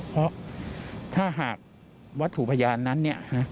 เพราะค่ะหากวัทธุพยานนั้น